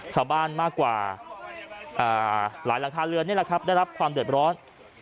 ชาวบ้านมากกว่าหลายหลังขาเรือนได้รับความเดือดร้อน